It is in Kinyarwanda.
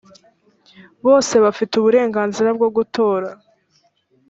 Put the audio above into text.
bose bafite uburenganzira bwo gutora.